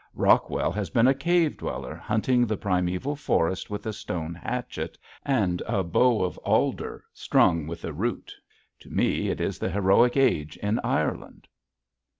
Rockwell has been a cave dweller hunting the primeval forest with a stone hatchet and a bow of alder strung with a root. To me it is the heroic age in Ireland.